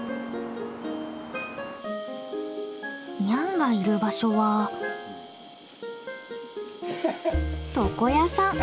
ニャンがいる場所は床屋さん。